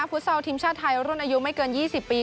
ฟุตเซาทีมชาติไทยร่วมอายุไม่เกิน๒๐ปี